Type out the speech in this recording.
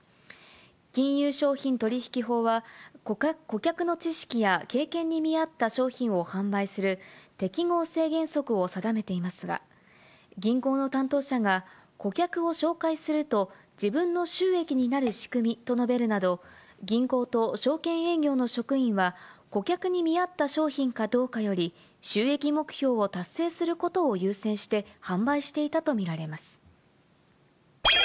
金融商品取引法は、顧客の知識や経験に見合った商品を販売する適合性原則を定めていますが、銀行の担当者が顧客を紹介すると自分の収益になる仕組みと述べるなど、銀行と証券営業の職員は顧客に見合った商品かどうかより収益目標を達成することを優先して販売していたと見られます。